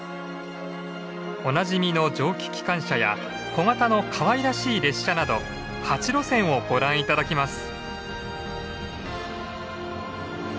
おなじみの蒸気機関車や小型のかわいらしい列車など８路線をご覧頂きます。